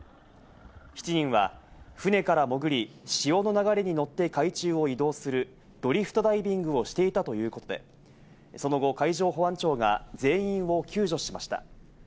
７人は船から潜り、潮の流れに乗って海中を移動するドリフトダイビングをしていたということで、その後、海上保安庁が全員を救助しました。